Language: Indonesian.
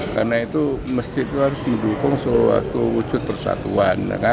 karena itu masjid itu harus mendukung suatu wujud persatuan